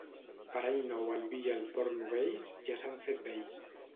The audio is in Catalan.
Per Any Nou el vi i el porc novells ja s'han fet vells.